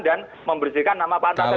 dan membersihkan nama pak saryacara